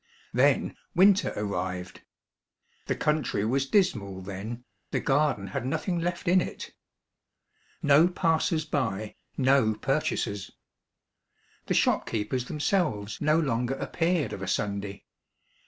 Then winter arrived. The country was dismal then, the garden had nothing left in it. No passers by, no purchasers. The shopkeepers themselves no longer appeared of a Sunday.